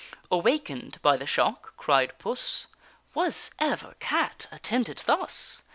Awaken'd by the shock (cried Puss) "Was ever cat attended thus?